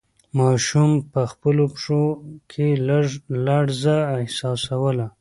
ماشوم په خپلو پښو کې لږه لړزه احساسوله.